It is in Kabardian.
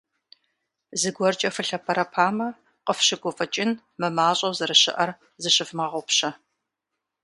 ЗыгуэркӀэ фылъэпэрапэмэ, къыфщыгуфӀыкӀын мымащӀэу зэрыщыӀэр зыщывмыгъэгъупщэ!